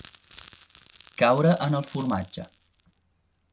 Caure en el formatge.